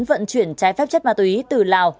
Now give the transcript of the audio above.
vận chuyển che phép chất ma túy từ lào